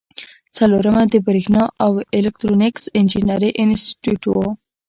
څلورمه د بریښنا او الکترونیکس انجینری انسټیټیوټ و.